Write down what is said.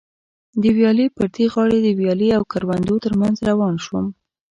د ویالې پر دې غاړه د ویالې او کروندو تر منځ روان شوم.